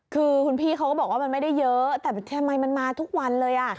คือคุณพี่เขาก็บอกว่ามันไม่ได้เยอะแต่ทำไมมันมาทุกวันเลย